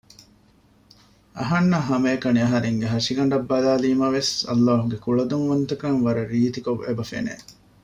އަހަންނަށް ހަމައެކަނި އަހަރެންގެ ހަށިގަނޑަށް ބަލައިލީމާވެސް ﷲ ގެ ކުޅަދުންވަންތަކަން ވަރަށް ރީތިކޮށް އެބަ ފެނެ